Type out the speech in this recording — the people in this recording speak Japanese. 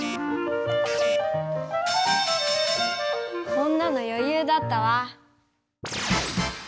こんなのよゆうだったわ。